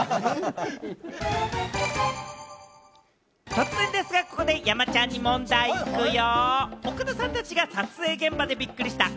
突然ですが、ここで山ちゃんに問題行くよ。